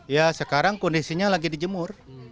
ya sekarang kondisinya lagi dijemur